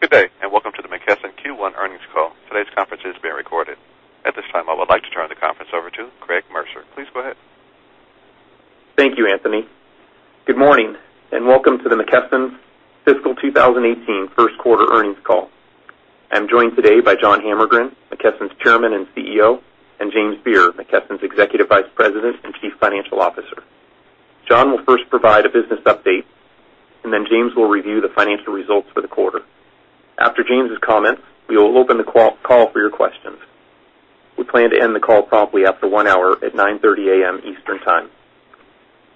Good day, and welcome to the McKesson Q1 earnings call. Today's conference is being recorded. At this time, I would like to turn the conference over to Craig Mercer. Please go ahead. Thank you, Anthony. Good morning, and welcome to the McKesson fiscal 2018 first quarter earnings call. I am joined today by John Hammergren, McKesson's Chairman and CEO, and James Beer, McKesson's Executive Vice President and Chief Financial Officer. John will first provide a business update, and then James will review the financial results for the quarter. After James' comments, we will open the call for your questions. We plan to end the call promptly after 1 hour at 9:30 A.M. Eastern Time.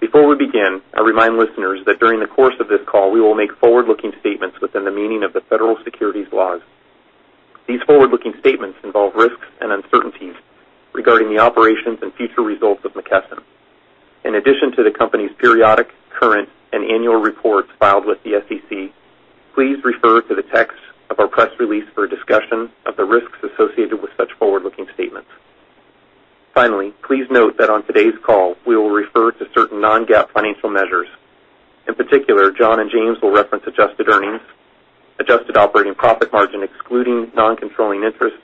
Before we begin, I remind listeners that during the course of this call, we will make forward-looking statements within the meaning of the federal securities laws. In addition to the company's periodic, current, and annual reports filed with the SEC, please refer to the text of our press release for a discussion of the risks associated with such forward-looking statements. Finally, please note that on today's call, we will refer to certain non-GAAP financial measures. In particular, John and James will reference adjusted earnings, adjusted operating profit margin, excluding non-controlling interests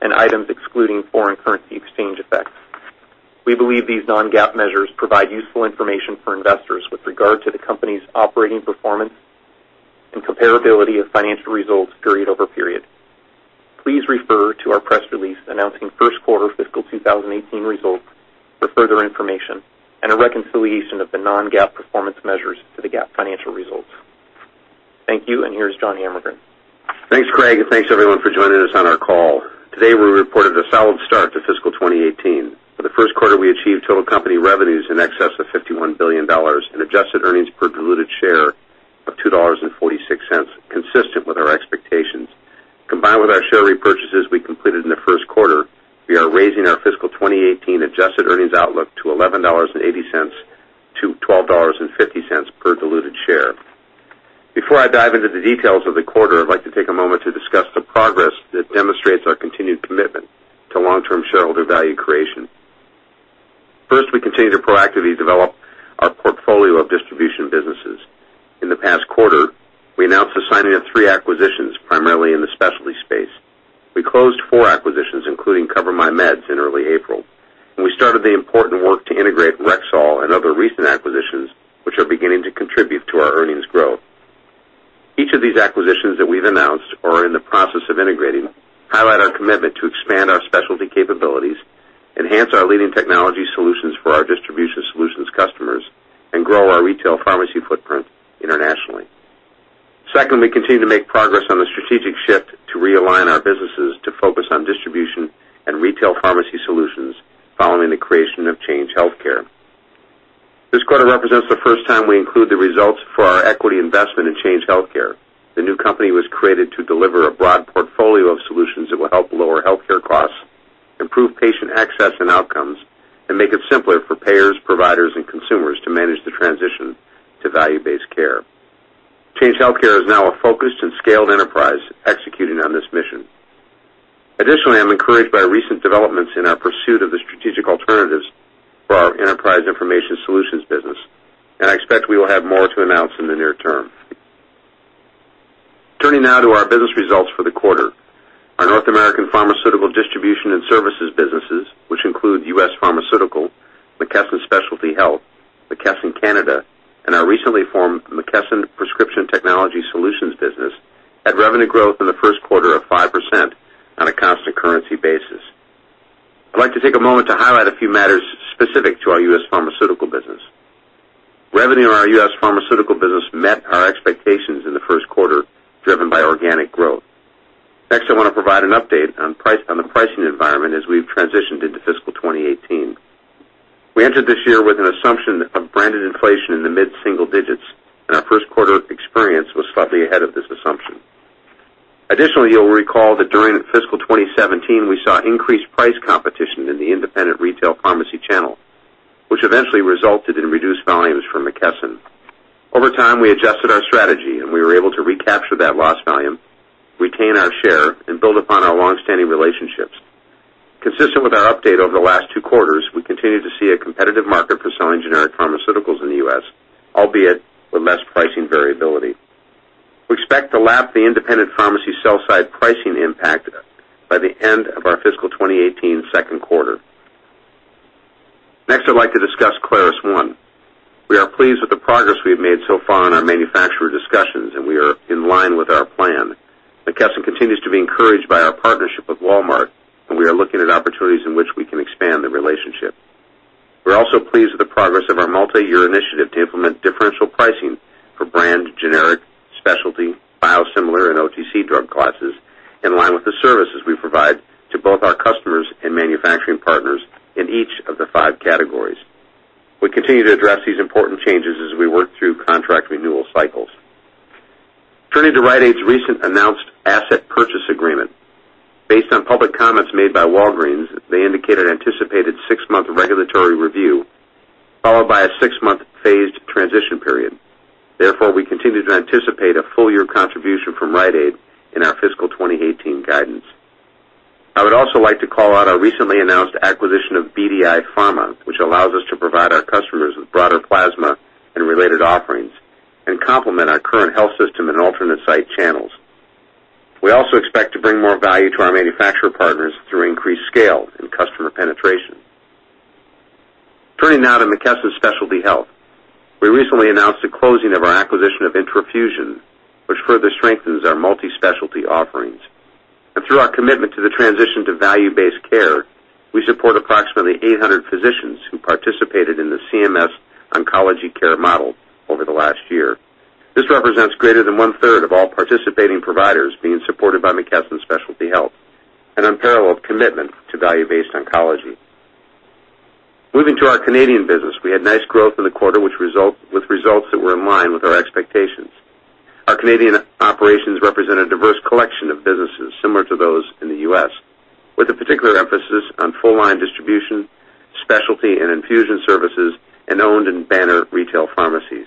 and items excluding foreign currency exchange effects. We believe these non-GAAP measures provide useful information for investors with regard to the company's operating performance and comparability of financial results period over period. Please refer to our press release announcing first quarter fiscal 2018 results for further information and a reconciliation of the non-GAAP performance measures to the GAAP financial results. Thank you, and here's John Hammergren. Thanks, Craig, and thanks, everyone, for joining us on our call. Today, we reported a solid start to fiscal 2018. For the first quarter, we achieved total company revenues in excess of $51 billion and adjusted earnings per diluted share of $2.46, consistent with our expectations. Combined with our share repurchases we completed in the first quarter, we are raising our fiscal 2018 adjusted earnings outlook to $11.80-$12.50 per diluted share. Before I dive into the details of the quarter, I'd like to take a moment to discuss the progress that demonstrates our continued commitment to long-term shareholder value creation. First, we continue to proactively develop our portfolio of distribution businesses. In the past quarter, we announced the signing of 3 acquisitions, primarily in the specialty space. We closed four acquisitions, including CoverMyMeds in early April, and we started the important work to integrate Rexall and other recent acquisitions, which are beginning to contribute to our earnings growth. Each of these acquisitions that we've announced or are in the process of integrating, highlight our commitment to expand our specialty capabilities, enhance our leading technology solutions for our Distribution Solutions customers, and grow our retail pharmacy footprint internationally. Second, we continue to make progress on the strategic shift to realign our businesses to focus on distribution and retail pharmacy solutions following the creation of Change Healthcare. This quarter represents the first time we include the results for our equity investment in Change Healthcare. The new company was created to deliver a broad portfolio of solutions that will help lower healthcare costs, improve patient access and outcomes, and make it simpler for payers, providers, and consumers to manage the transition to value-based care. Change Healthcare is now a focused and scaled enterprise executing on this mission. Additionally, I'm encouraged by recent developments in our pursuit of the strategic alternatives for our Enterprise Information Solutions business, and I expect we will have more to announce in the near term. Turning now to our business results for the quarter. Our North American pharmaceutical distribution and services businesses, which include US Pharmaceutical, McKesson Specialty Health, McKesson Canada, and our recently formed McKesson Prescription Technology Solutions business, had revenue growth in the first quarter of 5% on a constant currency basis. I'd like to take a moment to highlight a few matters specific to our US Pharmaceutical business. Revenue in our US Pharmaceutical business met our expectations in the first quarter, driven by organic growth. Next, I want to provide an update on the pricing environment as we've transitioned into fiscal 2018. We entered this year with an assumption of branded inflation in the mid-single digits, and our first quarter experience was slightly ahead of this assumption. Additionally, you'll recall that during fiscal 2017, we saw increased price competition in the independent retail pharmacy channel, which eventually resulted in reduced volumes for McKesson. Over time, we adjusted our strategy, and we were able to recapture that lost volume, retain our share, and build upon our longstanding relationships. Consistent with our update over the last two quarters, we continue to see a competitive market for selling generic pharmaceuticals in the U.S., albeit with less pricing variability. We expect to lap the independent pharmacy sell-side pricing impact by the end of our fiscal 2018 second quarter. Next, I'd like to discuss ClarusONE. We are pleased with the progress we've made so far in our manufacturer discussions, and we are in line with our plan. McKesson continues to be encouraged by our partnership with Walmart, and we are looking at opportunities in which we can expand the relationship. We're also pleased with the progress of our multi-year initiative to implement differential pricing for brand, generic, specialty, biosimilar, and OTC drug classes in line with the services we provide to both our customers and manufacturing partners in each of the 5 categories. We continue to address these important changes as we work through contract renewal cycles. Turning to Rite Aid's recent announced asset purchase agreement. Based on public comments made by Walgreens, they indicated anticipated six-month regulatory review, followed by a six-month phased transition period. Therefore, we continue to anticipate a full-year contribution from Rite Aid in our fiscal 2018 guidance. I would also like to call out our recently announced acquisition of BDI Pharma, which allows us to provide our customers and related offerings and complement our current health system and alternate site channels. We also expect to bring more value to our manufacturer partners through increased scale and customer penetration. Turning now to McKesson Specialty Health. We recently announced the closing of our acquisition of intraFUSION, which further strengthens our multi-specialty offerings. Through our commitment to the transition to value-based care, we support approximately 800 physicians who participated in the CMS Oncology Care Model over the last year. This represents greater than one-third of all participating providers being supported by McKesson Specialty Health, an unparalleled commitment to value-based oncology. Moving to our Canadian business, we had nice growth in the quarter with results that were in line with our expectations. Our Canadian operations represent a diverse collection of businesses similar to those in the U.S., with a particular emphasis on full-line distribution, specialty and infusion services, and owned and banner retail pharmacies.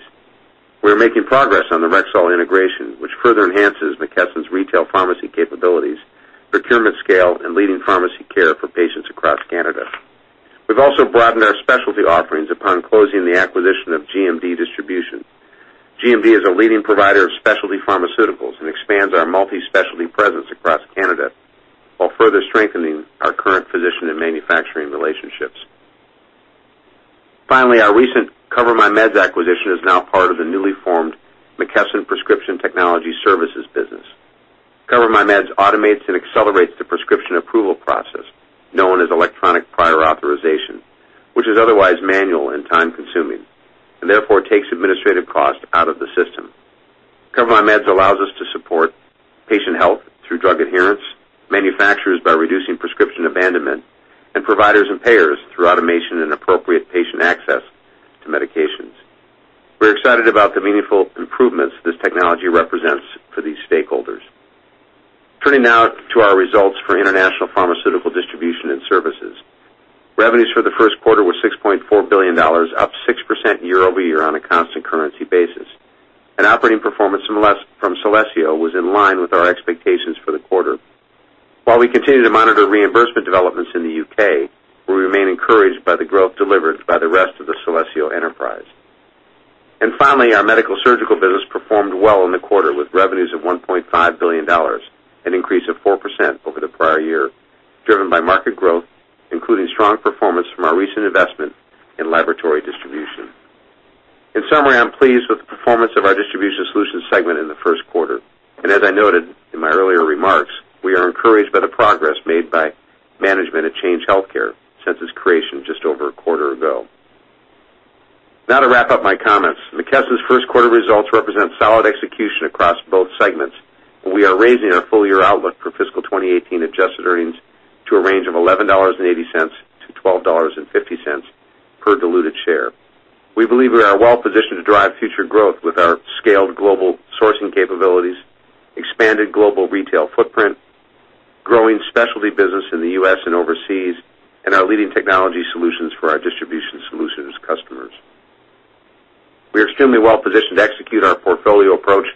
We're making progress on the Rexall integration, which further enhances McKesson's retail pharmacy capabilities, procurement scale, and leading pharmacy care for patients across Canada. We've also broadened our specialty offerings upon closing the acquisition of GMD Distribution. GMD is a leading provider of specialty pharmaceuticals and expands our multi-specialty presence across Canada, while further strengthening our current position in manufacturing relationships. Finally, our recent CoverMyMeds acquisition is now part of the newly formed McKesson Prescription Technology Solutions business. CoverMyMeds automates and accelerates the prescription approval process, known as electronic prior authorization, which is otherwise manual and time-consuming, and therefore takes administrative cost out of the system. CoverMyMeds allows us to support patient health through drug adherence, manufacturers by reducing prescription abandonment, and providers and payers through automation and appropriate patient access to medications. We're excited about the meaningful improvements this technology represents for these stakeholders. Turning now to our results for international pharmaceutical distribution and services. Revenues for the first quarter were $6.4 billion, up 6% year-over-year on a constant currency basis. Operating performance from Celesio was in line with our expectations for the quarter. While we continue to monitor reimbursement developments in the U.K., we remain encouraged by the growth delivered by the rest of the Celesio enterprise. Finally, our Medical-Surgical business performed well in the quarter with revenues of $1.5 billion, an increase of 4% over the prior year, driven by market growth, including strong performance from our recent investment in laboratory distribution. In summary, I'm pleased with the performance of our Distribution Solutions segment in the first quarter. As I noted in my earlier remarks, we are encouraged by the progress made by management at Change Healthcare since its creation just over a quarter ago. To wrap up my comments, McKesson's first quarter results represent solid execution across both segments. We are raising our full-year outlook for fiscal 2018 adjusted earnings to a range of $11.80-$12.50 per diluted share. We believe we are well positioned to drive future growth with our scaled global sourcing capabilities, expanded global retail footprint, growing specialty business in the U.S. and overseas, and our leading technology solutions for our Distribution Solutions customers. We are extremely well positioned to execute our portfolio approach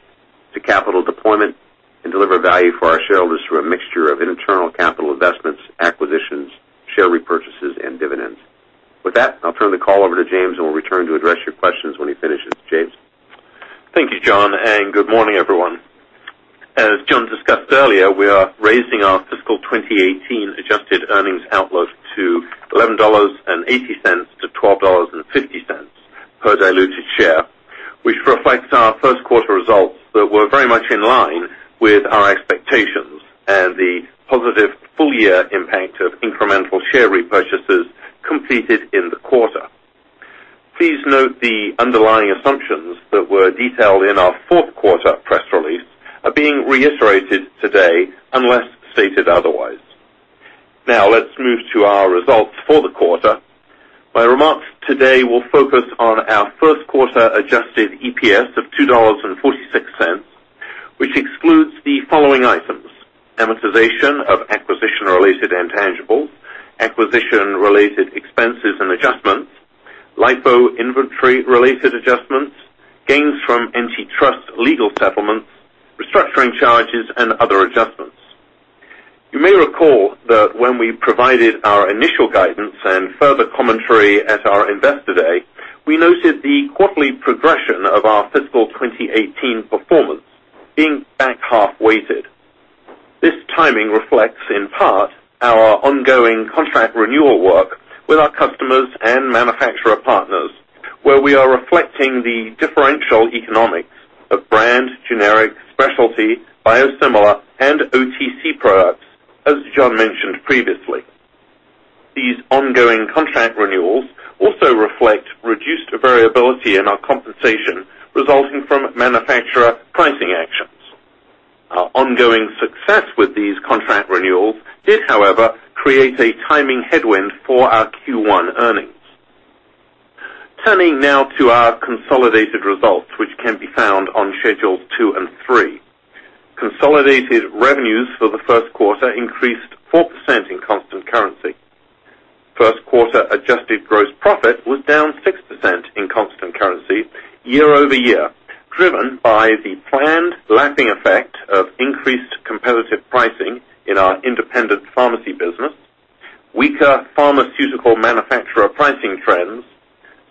to capital deployment and deliver value for our shareholders through a mixture of internal capital investments, acquisitions, share repurchases, and dividends. With that, I'll turn the call over to James. We'll return to address your questions when he finishes. James. Thank you, John. Good morning, everyone. As John discussed earlier, we are raising our fiscal 2018 adjusted earnings outlook to $11.80-$12.50 per diluted share, which reflects our first quarter results that were very much in line with our expectations and the positive full-year impact of incremental share repurchases completed in the quarter. Please note the underlying assumptions that were detailed in our fourth quarter press release are being reiterated today unless stated otherwise. Let's move to our results for the quarter. My remarks today will focus on our first quarter adjusted EPS of $2.46, which excludes the following items: amortization of acquisition-related intangibles, acquisition-related expenses and adjustments, LIFO inventory-related adjustments, gains from antitrust legal settlements, restructuring charges, and other adjustments. You may recall that when we provided our initial guidance and further commentary at our Investor Day, we noted the quarterly progression of our fiscal 2018 performance being back half weighted. This timing reflects, in part, our ongoing contract renewal work with our customers and manufacturer partners, where we are reflecting the differential economics of brand, generic, specialty, biosimilar, and OTC products, as John mentioned previously. These ongoing contract renewals also reflect reduced variability in our compensation resulting from manufacturer pricing actions. Our ongoing success with these contract renewals did, however, create a timing headwind for our Q1 earnings. Turning now to our consolidated results, which can be found on schedules two and three. Consolidated revenues for the first quarter increased 4% in constant currency. First quarter adjusted gross profit was down 6% in constant currency year-over-year. Lapping effect of increased competitive pricing in our independent pharmacy business, weaker pharmaceutical manufacturer pricing trends,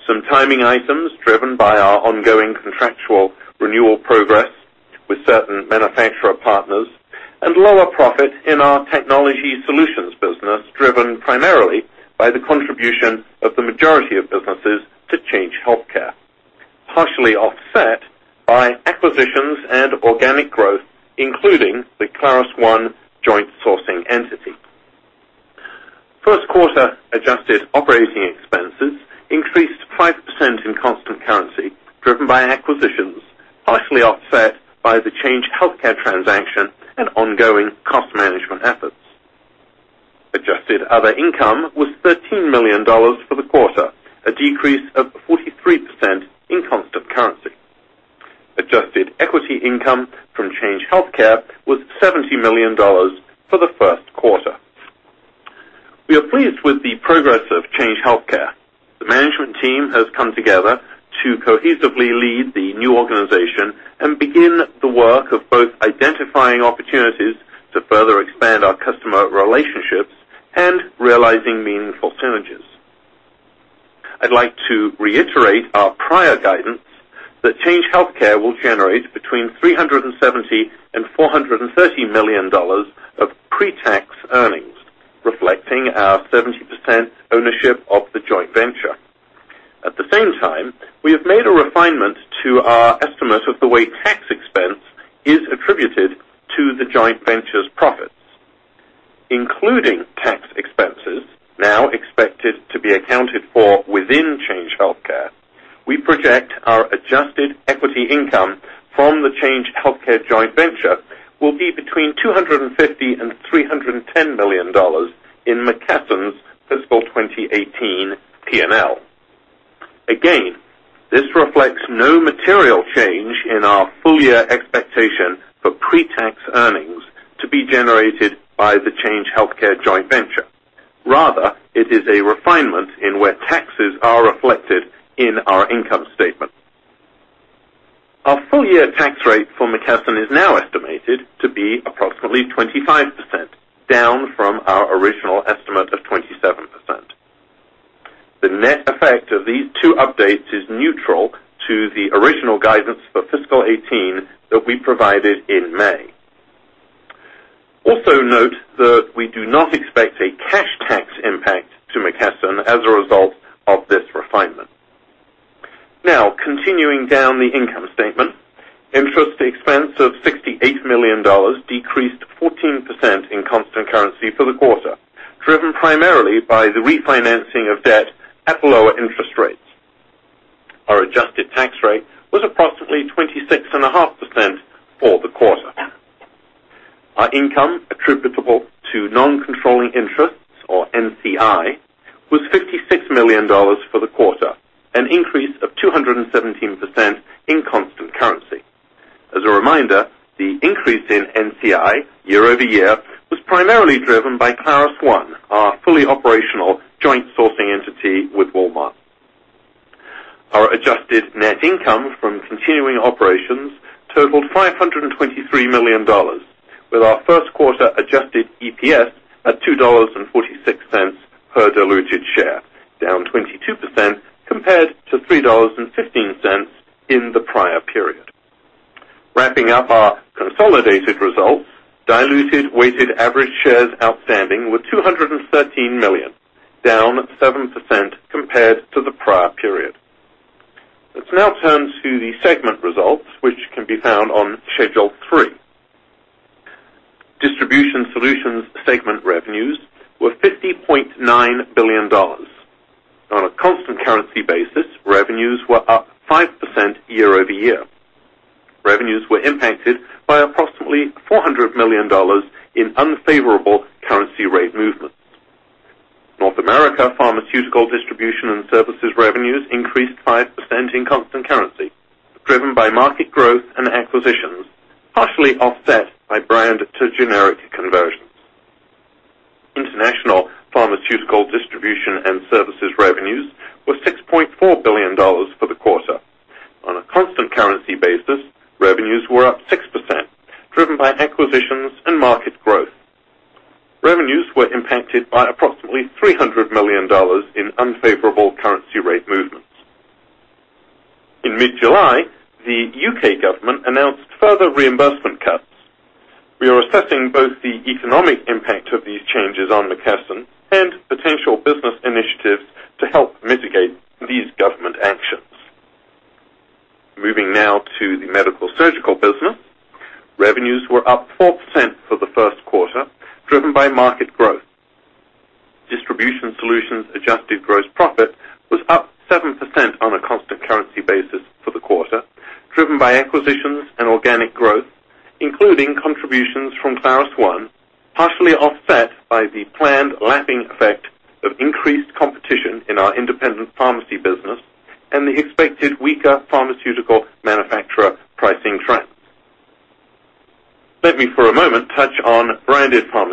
some timing items driven by our ongoing contractual renewal progress with certain manufacturer partners, and lower profit in our technology solutions business, driven primarily by the contribution of the majority of businesses to Change Healthcare, partially offset by acquisitions and organic growth, including the ClarusONE joint sourcing entity. First quarter adjusted operating expenses increased 5% in constant currency, driven by acquisitions, partially offset by the Change Healthcare transaction and ongoing cost management efforts. Adjusted other income was $13 million for the quarter, a decrease of 43% in constant currency. Adjusted equity income from Change Healthcare was $70 million for the first quarter. We are pleased with the progress of Change Healthcare. The management team has come together to cohesively lead the new organization and begin the work of both identifying opportunities to further expand our customer relationships and realizing meaningful synergies. I'd like to reiterate our prior guidance that Change Healthcare will generate between $370 million and $430 million of pre-tax earnings, reflecting our 70% ownership of the joint venture. At the same time, we have made a refinement to our estimate of the way tax expense is attributed to the joint venture's profits. Including tax expenses now expected to be accounted for within Change Healthcare, we project our adjusted equity income from the Change Healthcare joint venture will be between $250 million and $310 million in McKesson's fiscal 2018 P&L. Again, this reflects no material change in our full year expectation for pre-tax earnings to be generated by the Change Healthcare joint venture. Rather, it is a refinement in where taxes are reflected in our income statement. Our full-year tax rate for McKesson is now estimated to be approximately 25%, down from our original estimate of 27%. The net effect of these two updates is neutral to the original guidance for fiscal 2018 that we provided in May. Also note that we do not expect a cash tax impact to McKesson as a result of this refinement. Continuing down the income statement. Interest expense of $68 million decreased 14% in constant currency for the quarter, driven primarily by the refinancing of debt at lower interest rates. Our adjusted tax rate was approximately 26.5% for the quarter. Our income attributable to non-controlling interests, or NCI, was $56 million for the quarter, an increase of 217% in constant currency. As a reminder, the increase in NCI year-over-year was primarily driven by ClarusONE, our fully operational joint sourcing entity with Walmart. Our adjusted net income from continuing operations totaled $523 million, with our first quarter adjusted EPS at $2.46 per diluted share, down 22% compared to $3.15 in the prior period. Wrapping up our consolidated results, diluted weighted average shares outstanding were 213 million, down 7% compared to the prior period. Let's now turn to the segment results, which can be found on Schedule three. Distribution Solutions segment revenues were $50.9 billion. On a constant currency basis, revenues were up 5% year-over-year. Revenues were impacted by approximately $400 million in unfavorable currency rate movements. North America pharmaceutical distribution and services revenues increased 5% in constant currency, driven by market growth and acquisitions, partially offset by brand-to-generic conversions. International pharmaceutical distribution and services revenues were $6.4 billion for the quarter. On a constant currency basis, revenues were up 6%, driven by acquisitions and market growth. Revenues were impacted by approximately $300 million in unfavorable currency rate movements. In mid-July, the U.K. government announced further reimbursement cuts. We are assessing both the economic impact of these changes on McKesson and potential business initiatives to help mitigate these government actions. Moving now to the medical surgical business. Revenues were up 4% for the first quarter, driven by market growth. Distribution Solutions adjusted gross profit was up 7% on a constant currency basis for the quarter, driven by acquisitions and organic growth, including contributions from ClarusONE, partially offset by the planned lapping effect of increased competition in our independent pharmacy business and the expected weaker pharmaceutical manufacturer pricing trends. Let me, for a moment, touch on branded pharma.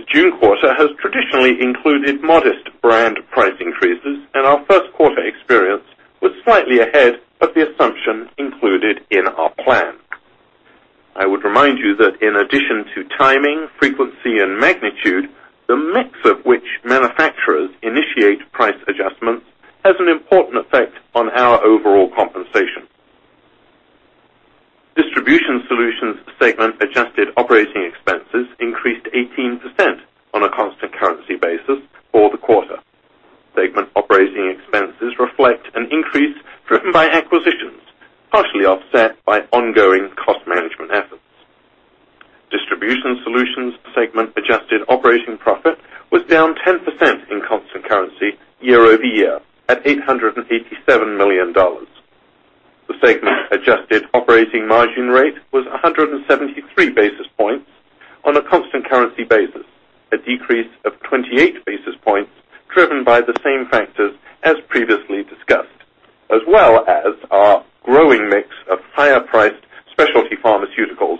The second quarter has traditionally included modest brand price increases, and our first quarter experience was slightly ahead of the assumption included in our plan. I would remind you that in addition to timing, frequency, and magnitude, the mix of which manufacturers initiate price adjustments has an important effect on our overall compensation. Distribution Solutions segment adjusted operating expenses increased 18% on a constant currency basis for the quarter. Segment operating expenses reflect an increase driven by acquisitions, partially offset by ongoing cost management efforts. Distribution Solutions segment adjusted operating profit was down 10% in constant currency year-over-year at $887 million. The segment's adjusted operating margin rate was 173 basis points on a constant currency basis, a decrease of 28 basis points driven by the same factors as previously discussed, as well as our growing mix of higher-priced specialty pharmaceuticals,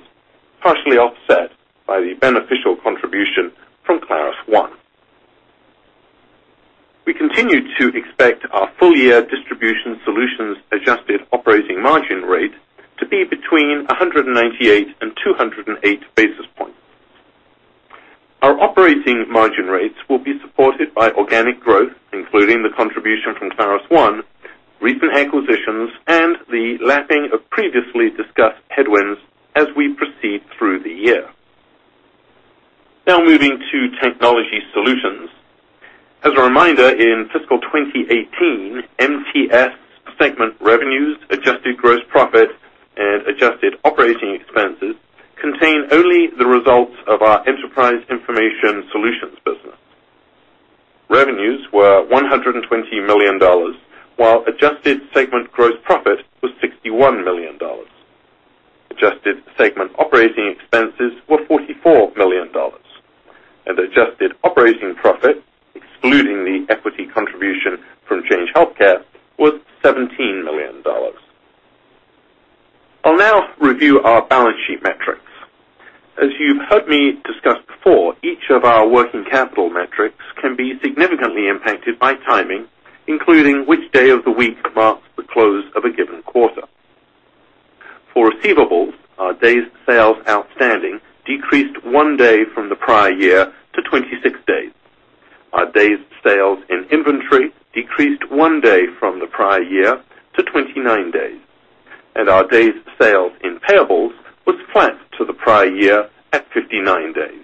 partially offset by the beneficial contribution from ClarusONE. We continue to expect our full-year Distribution Solutions adjusted operating margin rate to be between 198 and 208 basis points. Our operating margin rates will be supported by organic growth, including the contribution from ClarusONE, recent acquisitions, and the lapping of previously discussed headwinds as we proceed through the year. Now moving to Technology Solutions. As a reminder, in fiscal 2018, MTS segment revenues, adjusted gross profit, and adjusted operating expenses contained only the results of our Enterprise Information Solutions business. Revenues were $120 million, while adjusted segment gross profit was $61 million. Adjusted segment operating expenses were $44 million, and adjusted operating profit, excluding the equity contribution from Change Healthcare, was $17 million. I'll now review our balance sheet metrics. As you've heard me discuss before, each of our working capital metrics can be significantly impacted by timing, including which day of the week marks the close of a given quarter. For receivables, our days sales outstanding decreased one day from the prior year to 26 days. Our days sales in inventory decreased one day from the prior year to 29 days, and our days sales in payables was flat to the prior year at 59 days.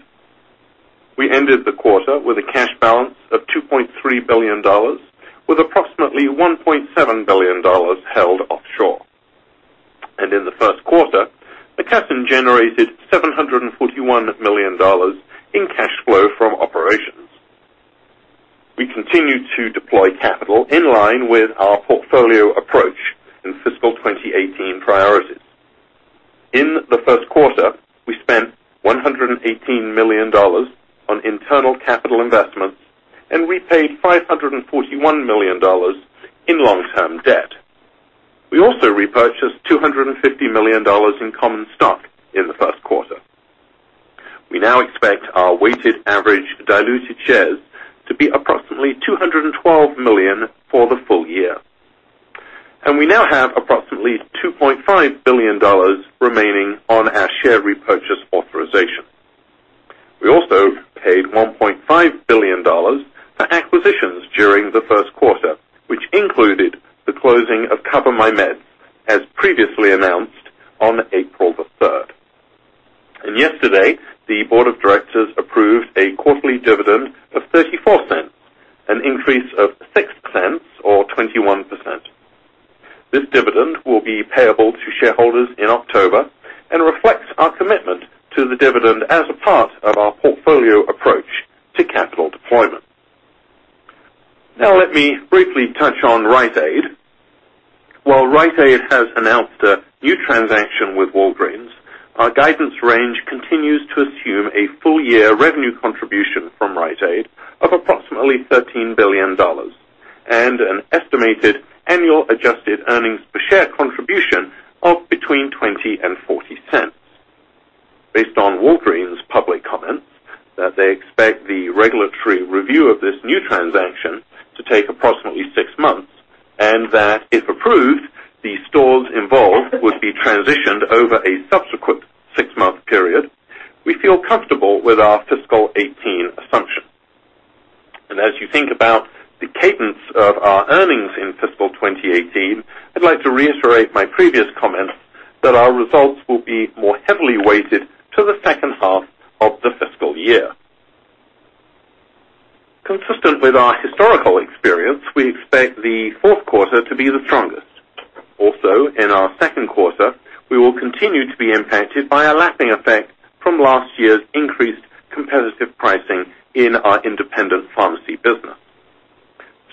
We ended the quarter with a cash balance of $2.3 billion, with approximately $1.7 billion held offshore. In the first quarter, McKesson generated $741 million in cash flow from operations. We continue to deploy capital in line with our portfolio approach in fiscal 2018 priorities. In the first quarter, we spent $118 million on internal capital investments and repaid $541 million in long-term debt. We also repurchased $250 million in common stock in the first quarter. We now expect our weighted average diluted shares to be approximately 212 million for the full year. We now have approximately $2.5 billion remaining on our share repurchase authorization. We also paid $1.5 billion for acquisitions during the first quarter, which included the closing of CoverMyMeds, as previously announced on April 3rd. Yesterday, the board of directors approved a quarterly dividend of $0.34, an increase of $0.06 or 21%. This dividend will be payable to shareholders in October and reflects our commitment to the dividend as a part of our portfolio approach to capital deployment. Let me briefly touch on Rite Aid. While Rite Aid has announced a new transaction with Walgreens, our guidance range continues to assume a full-year revenue contribution from Rite Aid of approximately $13 billion and an estimated annual adjusted earnings per share contribution of between $0.20 and $0.40. Based on Walgreens' public comments that they expect the regulatory review of this new transaction to take approximately six months and that if approved, the stores involved would be transitioned over a subsequent six-month period, we feel comfortable with our fiscal 2018 assumption. As you think about the cadence of our earnings in fiscal 2018, I'd like to reiterate my previous comments that our results will be more heavily weighted to the second half of the fiscal year. Consistent with our historical experience, we expect the fourth quarter to be the strongest. In our second quarter, we will continue to be impacted by a lapping effect from last year's increased competitive pricing in our independent pharmacy business.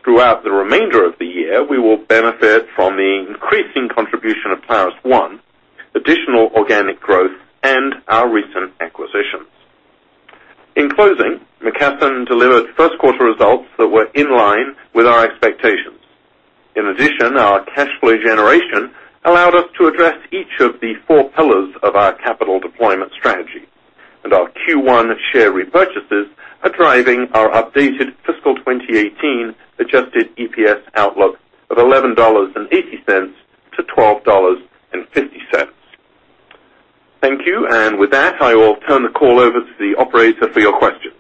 Throughout the remainder of the year, we will benefit from the increasing contribution of ClarusONE, additional organic growth, and our recent acquisitions. In addition, our cash flow generation allowed us to address each of the four pillars of our capital deployment strategy. Our Q1 share repurchases are driving our updated fiscal 2018 adjusted EPS outlook of $11.80 to $12.50. Thank you. With that, I will turn the call over to the operator for your questions.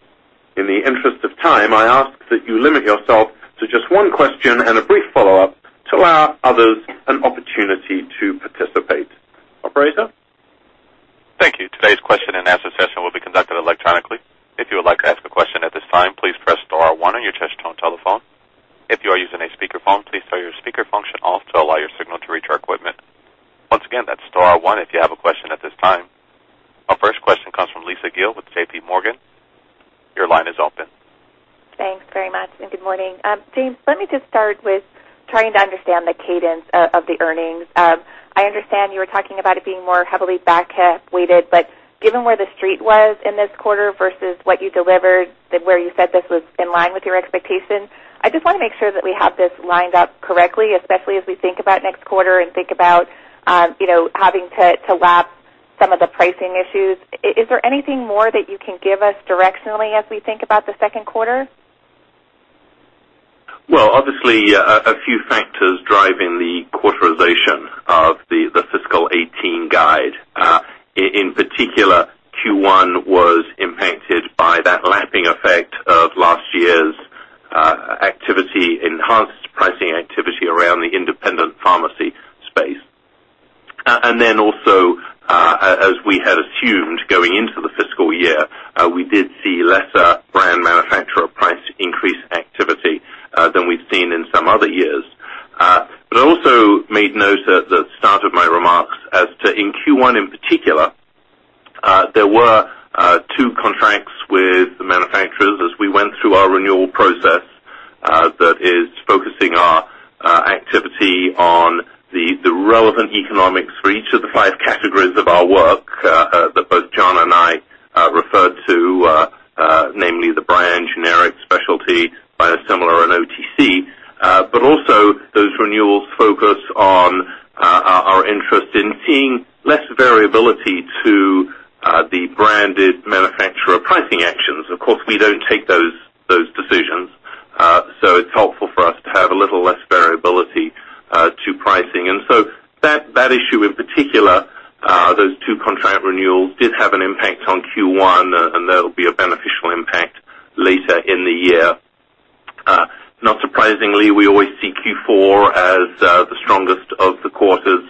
In the interest of time, I ask that you limit yourself to just one question and a brief follow-up to allow others an opportunity to participate. Operator? Thank you. Today's question-and-answer session will be conducted electronically. If you would like to ask a question at this time, please press star one on your touch-tone telephone. If you are using a speakerphone, please turn your speaker function off to allow your signal to reach our equipment. Once again, that's star one, if you have a question at this time. Our first question comes from Lisa Gill with J.P. Morgan. Your line is open. Thanks very much. Good morning. James, let me just start with trying to understand the cadence of the earnings. I understand you were talking about it being more heavily back-half weighted, but given where the Street was in this quarter versus what you delivered and where you said this was in line with your expectations, I just want to make sure that we have this lined up correctly, especially as we think about next quarter and think about having to lap some of the pricing issues. Is there anything more that you can give us directionally as we think about the second quarter? Obviously, a few factors driving the quarterization of the fiscal 2018 guide. In particular, Q1 was impacted by that lapping effect of last year's enhanced pricing activity around the independent pharmacy space. Also, as we had assumed going into the fiscal year, we did see lesser brand manufacturer price increase activity than we've seen in some other years. I also made note at the start of my remarks as to, in Q1 in particular, there were 2 contracts with the manufacturers as we went through our renewal process that is focusing our activity on the relevant economics for each of the 5 categories of our work that both John and I referred to, namely the brand, generic, specialty, biosimilar, and OTC. Also, those renewals focus on our interest in seeing less variability to the branded manufacturer pricing actions. Of course, we don't take those decisions, so it's helpful for us to have a little less variability to pricing. That issue in particular, those 2 contract renewals did have an impact on Q1, and that'll be a beneficial impact later in the year. Not surprisingly, we always see Q4 as the strongest of the quarters,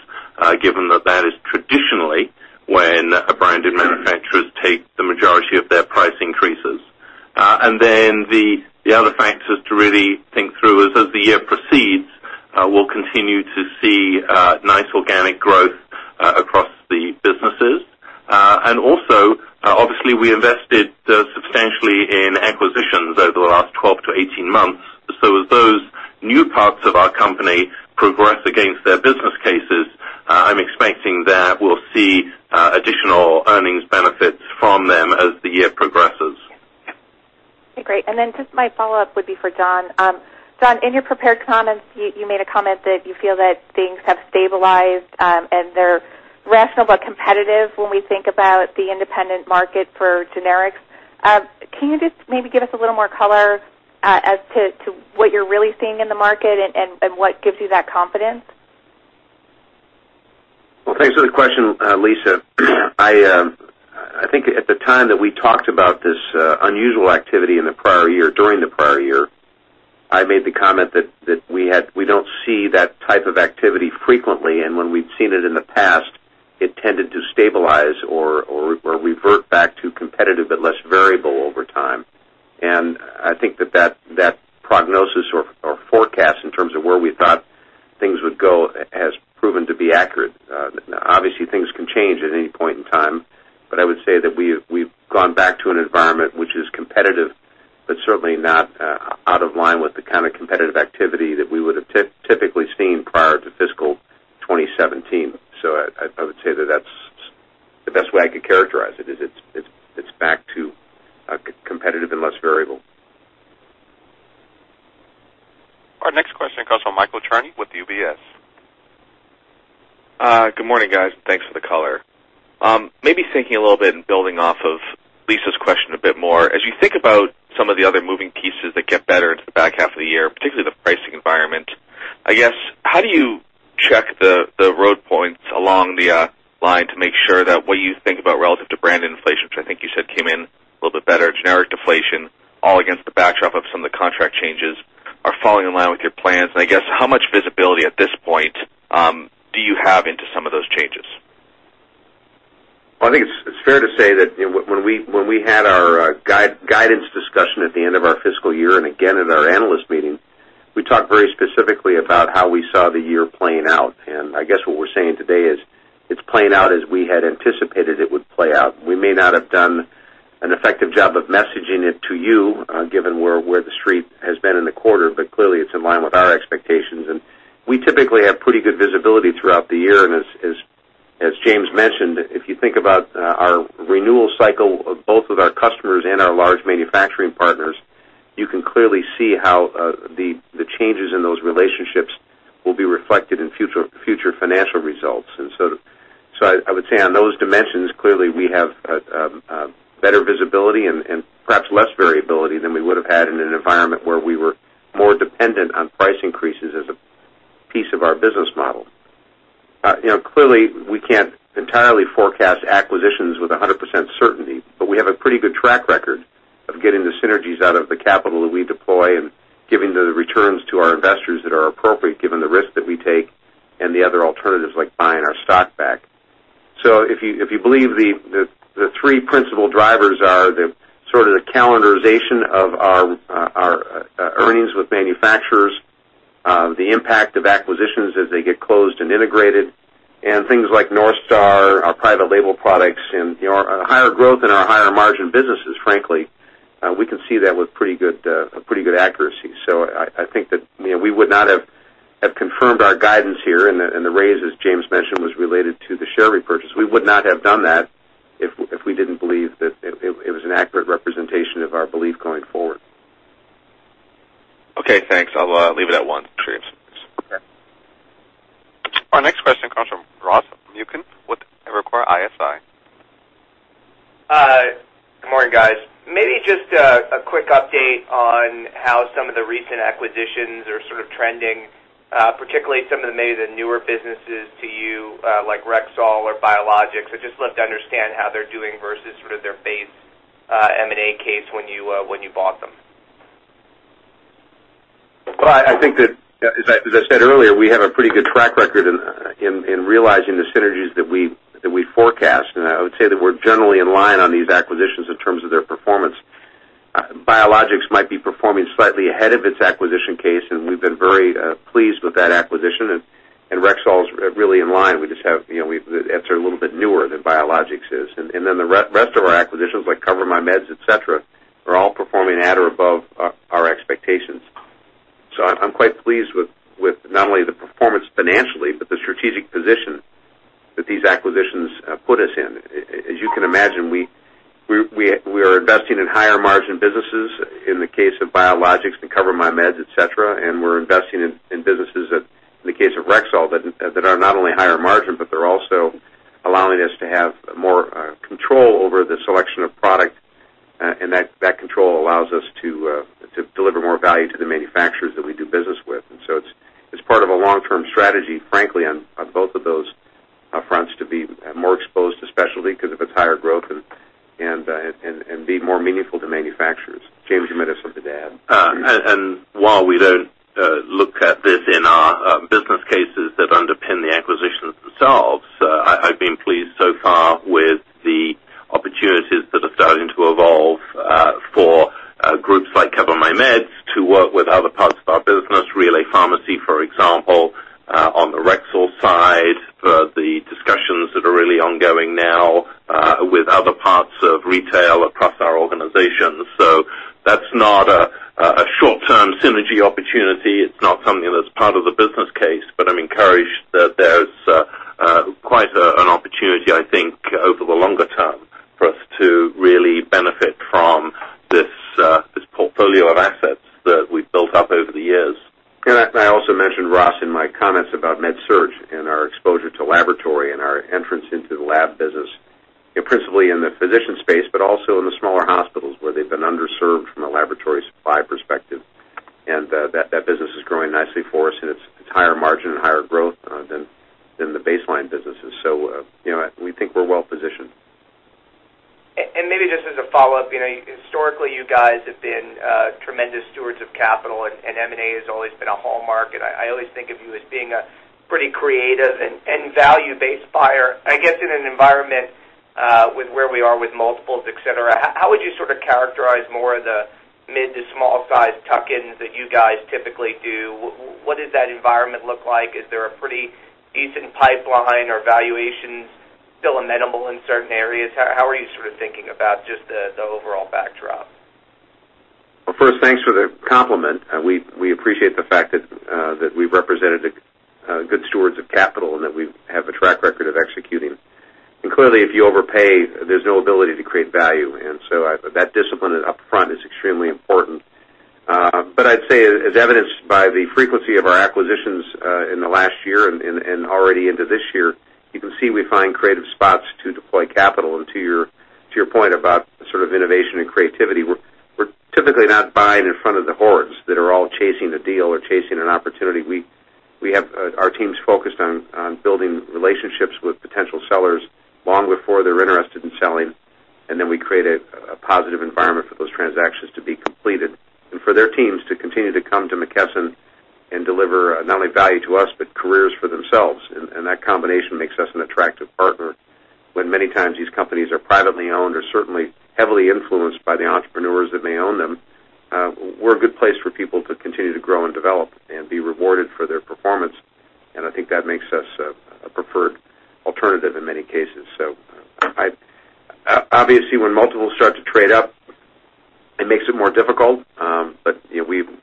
given that that is traditionally when branded manufacturers take the majority of their price increases. The other factors to really think through is as the year proceeds, we'll continue to see nice organic growth across the businesses. Also, obviously, we invested substantially in acquisitions over the last 12 to 18 months. As those new parts of our company progress against their business cases, I'm expecting that we'll see additional earnings benefits from them as the year progresses. Okay, great. Just my follow-up would be for John. John, in your prepared comments, you made a comment that you feel that things have stabilized and they're rational but competitive when we think about the independent market for generics. Can you just maybe give us a little more color as to what you're really seeing in the market and what gives you that confidence? Thanks for the question, Lisa. I think at the time that we talked about this unusual activity in the prior year, during the prior year, I made the comment that we don't see that type of activity frequently, and when we've seen it in the past, it tended to stabilize or revert back to competitive but less variable over time. I think that prognosis or forecast in terms of where we thought things would go has proven to be accurate. Obviously, things can change at any point in time, but I would say that we've gone back to an environment which is competitive but certainly not out of line with the kind of competitive activity that we would have typically seen prior to fiscal 2017. I would say that that's the best way I could characterize it, is it's back to competitive and less variable. Our next question comes from Michael Cherny with UBS. Good morning, guys. Thanks for the color. Maybe thinking a little bit and building off of Lisa's question a bit more, as you think about some of the other moving pieces that get better into the back half of the year, particularly the pricing environment, I guess, how do you check the road points along the line to make sure that what you think about relative to brand inflation, which I think you said came in a little bit better, generic deflation, all against the backdrop of some of the contract changes, are falling in line with your plans? I guess, how much visibility at this point do you have into some of those changes? Well, I think it's fair to say that when we had our guidance discussion at the end of our fiscal year and again at our analyst meeting, we talked very specifically about how we saw the year playing out. I guess what we're saying today is it's playing out as we had anticipated it would play out. We may not have done an effective job of messaging it to you, given where the Street has been in the quarter, but clearly, it's in line with our expectations. We typically have pretty good visibility throughout the year, as James mentioned, if you think about our renewal cycle, both with our customers and our large manufacturing partners, you can clearly see how the changes in those relationships will be reflected in future financial results. I would say on those dimensions, clearly we have better visibility and perhaps less variability than we would have had in an environment where we were more dependent on price increases as a piece of our business model. Clearly, we can't entirely forecast acquisitions with 100% certainty, but we have a pretty good track record of getting the synergies out of the capital that we deploy and giving the returns to our investors that are appropriate given the risk that we take and the other alternatives, like buying our stock back. If you believe the three principal drivers are the sort of the calendarization of our earnings with manufacturers, the impact of acquisitions as they get closed and integrated, and things like NorthStar, our private label products, and our higher growth and our higher margin businesses, frankly, we can see that with pretty good accuracy. I think that we would not have confirmed our guidance here, and the raise, as James mentioned, was related to the share repurchase. We would not have done that if we didn't believe that it was an accurate representation of our belief going forward. Okay, thanks. I'll leave it at one. Thanks. Okay. Our next question comes from Ross Muken with Evercore ISI. Good morning, guys. Maybe just a quick update on how some of the recent acquisitions are sort of trending, particularly some of maybe the newer businesses to you, like Rexall or Biologics. I'd just love to understand how they're doing versus sort of their base M&A case when you bought them. Well, I think that, as I said earlier, we have a pretty good track record in realizing the synergies that we forecast, and I would say that we're generally in line on these acquisitions in terms of their performance. Biologics might be performing slightly ahead of its acquisition case, and we've been very pleased with that acquisition. Rexall is really in line. The answers are a little bit newer than Biologics is. The rest of our acquisitions, like CoverMyMeds, et cetera, are all performing at or above our expectations. I'm quite pleased with not only the performance financially, but the strategic position that these acquisitions put us in. As you can imagine, we are investing in higher margin businesses in the case of Biologics and CoverMyMeds, et cetera, and we're investing in businesses, in the case of Rexall, that are not only higher margin, but they're also allowing us to have more control over the selection of product, and that control allows us to deliver more value to the manufacturers that we do business with. It's part of a long-term strategy, frankly, on both of those fronts, to be more exposed to specialty, because of its higher growth, and be more meaningful to manufacturers. James, you might have something to add. While we don't look at this in our business cases that underpin the acquisitions themselves, I've been pleased so far with the opportunities that are starting to evolve for groups like CoverMyMeds to work with other parts of our business, RelayHealth Pharmacy, for example, on the Rexall side, the discussions that are really ongoing now with other parts of retail across our organization. That's not a short-term synergy opportunity. It's not something that's part of the business case. I'm encouraged that there's quite an opportunity, I think, over the longer term, for us to really benefit from this portfolio of assets that we've built up over the years. I also mentioned, Ross, in my comments about MedSurg and our exposure to laboratory and our entrance into the lab business, principally in the physician space, but also in the smaller hospitals where they've been underserved from a laboratory supply perspective. That business is growing nicely for us, and it's higher margin and higher growth than the baseline businesses. We think we're well-positioned. Maybe just as a follow-up, historically, you guys have been tremendous stewards of capital, and M&A has always been a hallmark, and I always think of you as being a pretty creative and value-based buyer. I guess, in an environment with where we are with multiples, et cetera, how would you sort of characterize more of the mid to small size tuck-ins that you guys typically do? What does that environment look like? Is there a pretty decent pipeline? Are valuations still amenable in certain areas? How are you sort of thinking about just the overall backdrop? Well, first, thanks for the compliment. We appreciate the fact that we've represented good stewards of capital and that we have a track record of executing. Clearly, if you overpay, there's no ability to create value. That discipline upfront is extremely important. I'd say, as evidenced by the frequency of our acquisitions in the last year and already into this year, you can see we find creative spots to deploy capital. To your point about sort of innovation and creativity, we're typically not buying in front of the hordes that are all chasing a deal or chasing an opportunity. Our team's focused on building relationships with potential sellers long before they're interested in selling, and then we create a positive environment for those transactions to be completed and for their teams to continue to come to McKesson and deliver not only value to us, but careers for themselves. That combination makes us an attractive partner when many times these companies are privately owned or certainly heavily influenced by the entrepreneurs that may own them. We're a good place for people to continue to grow and develop and be rewarded for their performance, and I think that makes us a preferred alternative in many cases. Obviously, when multiples start to trade up,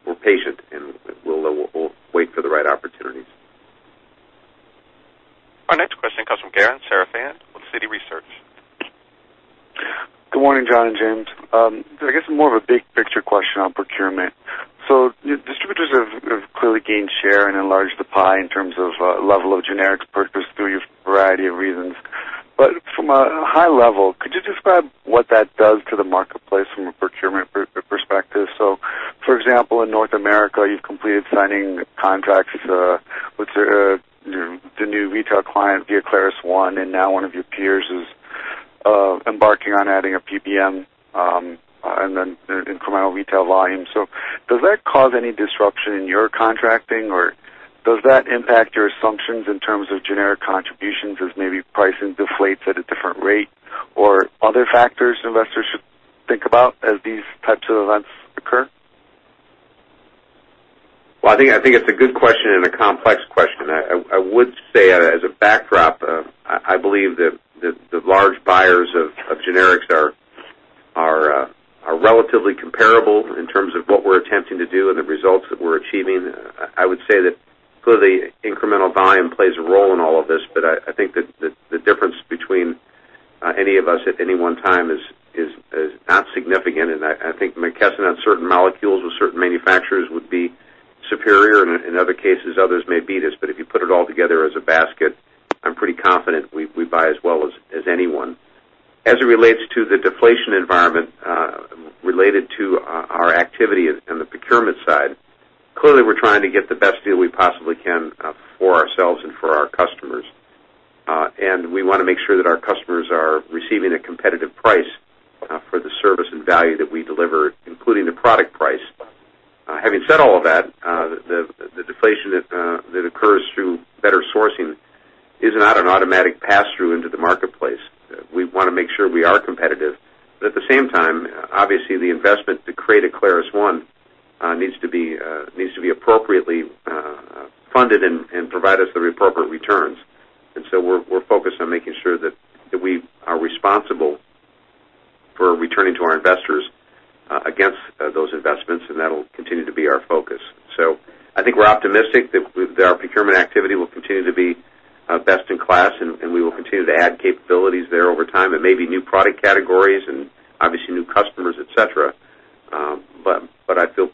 we're patient, and we'll wait for the right opportunities. Our next question comes from Garen Sarafian with Citi Research. Good morning, John and James. I guess more of a big picture question on procurement. Distributors have clearly gained share and enlarged the pie in terms of level of generics purchased through your variety of reasons. From a high level, could you describe what that does to the marketplace from a procurement perspective? For example, in North America, you've completed signing contracts with the new retail client via ClarusONE, and now one of your peers is embarking on adding a PBM and then incremental retail volume. Does that cause any disruption in your contracting, or does that impact your assumptions in terms of generic contributions as maybe pricing deflates at a different rate, or other factors investors should think about as these types of events occur? I think it's a good question and a complex question. I would say, as a backdrop, I believe that the large buyers of generics are relatively comparable in terms of what we're attempting to do and the results that we're achieving. I would say that clearly incremental volume plays a role in all of this, but I think that the difference between any of us at any one time is not significant. I think McKesson on certain molecules with certain manufacturers would be superior. In other cases, others may beat us. If you put it all together as a basket, I'm pretty confident we buy as well as anyone. As it relates to the deflation environment related to our activity on the procurement side, clearly, we're trying to get the best deal we possibly can for ourselves and for our customers. We want to make sure that our customers are receiving a competitive price for the service and value that we deliver, including the product price. Having said all of that, the deflation that occurs through better sourcing is not an automatic pass-through into the marketplace. We want to make sure we are competitive. At the same time, obviously, the investment to create a ClarusONE needs to be appropriately funded and provide us the appropriate returns. We're focused on making sure that we are responsible for returning to our investors against those investments, and that'll continue to be our focus. I think we're optimistic that our procurement activity will continue to be best in class, and we will continue to add capabilities there over time and maybe new product categories and obviously new customers, et cetera. I feel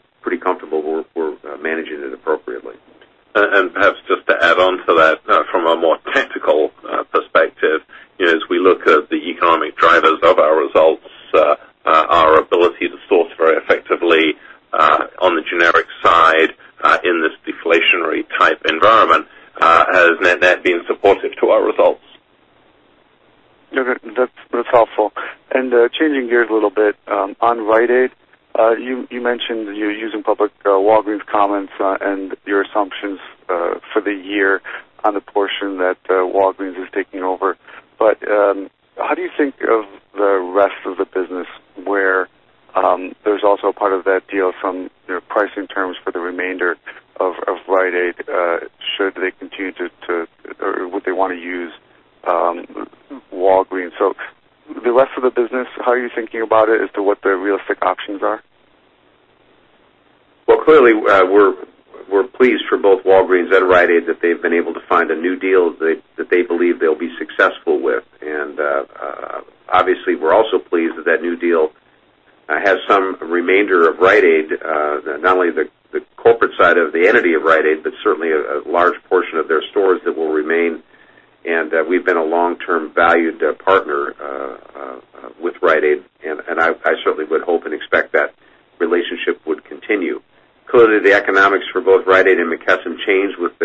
the realistic options are? Well, clearly, we're pleased for both Walgreens and Rite Aid that they've been able to find a new deal that they believe they'll be successful with. Obviously, we're also pleased that that new deal has some remainder of Rite Aid, not only the corporate side of the entity of Rite Aid, but certainly a large portion of their stores that will remain. We've been a long-term valued partner with Rite Aid, and I certainly would hope and expect that relationship would continue. Clearly, the economics for both Rite Aid and McKesson change with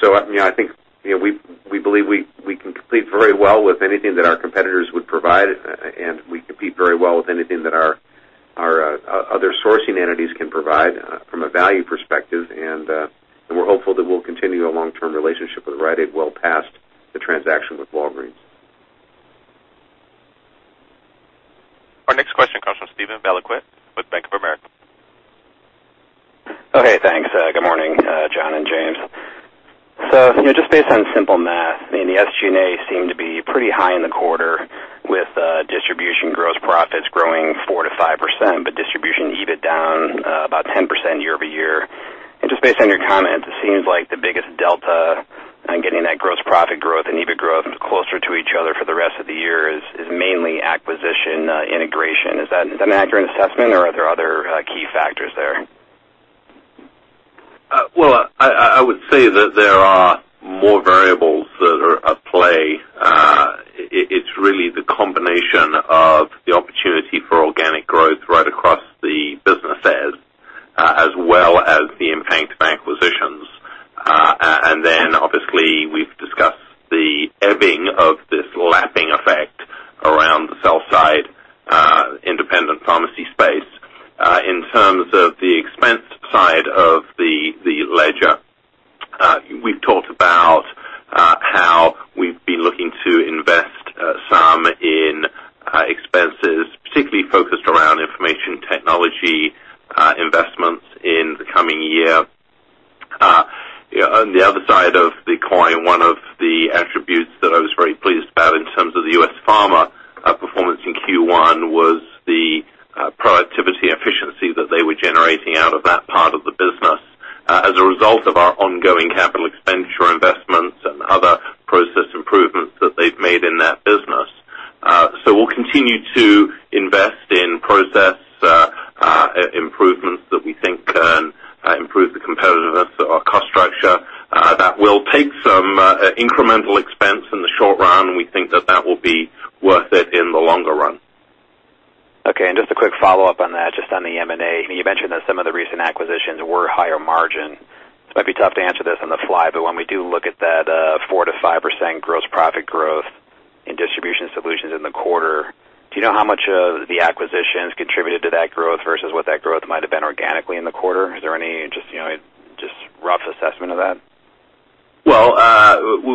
their smaller enterprise. We've attempted to reflect to you what the full enterprise is worth to us in terms of revenue and earnings. At least you have some boundaries as to how valuable the business is to us and what it might be to us going forward, as you described. I think we believe we can compete very well with anything that our competitors would provide, and we compete very well with anything that our other sourcing entities can provide from a value perspective. We're hopeful that we'll continue a long-term relationship with Rite Aid well past the transaction with Walgreens. Our next question comes from Steven Valiquette with Bank of America. Okay, thanks. Good morning, John and James. Just based on simple math, the SG&A seem to be pretty high in the quarter with Distribution Solutions gross profits growing 4%-5%, but Distribution Solutions EBIT down about 10% year-over-year. Just based on your comments, it seems like the biggest delta on getting that gross profit growth and EBIT growth closer to each other for the rest of the year is mainly acquisition integration. Is that an accurate assessment or are there other key factors there? Well, I would say that there are more variables that are at play. It's really the combination of the opportunity for organic growth right across the businesses, as well as the impact of acquisitions. Obviously, we've discussed the ebbing of this lapping effect around the sell-side independent pharmacy space. In terms of the expense, we've been looking to invest some in expenses, particularly focused around information technology investments in the coming year. On the other side of the coin, one of the attributes that I was very pleased about in terms of the U.S. Pharma performance in Q1 was the productivity efficiency that they were generating out of that part of the business as a result of our ongoing capital expenditure investments and other process improvements that they've made in that business. We'll continue to invest in process improvements that we think can improve the competitiveness of our cost structure. That will take some incremental expense in the short run, and we think that that will be worth it in the longer run. Okay. Just a quick follow-up on that, just on the M&A. You mentioned that some of the recent acquisitions were higher margin. It might be tough to answer this on the fly, but when we do look at that 4%-5% gross profit growth in Distribution Solutions in the quarter, do you know how much of the acquisitions contributed to that growth versus what that growth might have been organically in the quarter? Is there any just rough assessment of that?